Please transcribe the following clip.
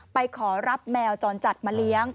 ไปขอรับแมวจรจัดมาเลี้ยง